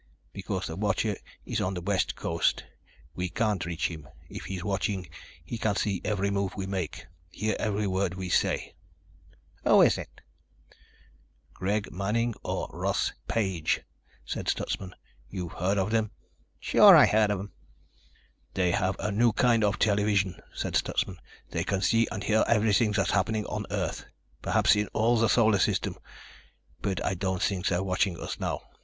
"Because the watcher is on the West Coast. We can't reach him. If he's watching, he can see every move we make, hear every word we say." "Who is it?" "Greg Manning or Russ Page," said Stutsman. "You've heard of them?" "Sure. I heard of them." "They have a new kind of television," said Stutsman. "They can see and hear everything that's happening on Earth, perhaps in all the Solar System. But I don't think they're watching us now.